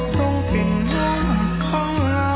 ทรงเป็นช่างของเรา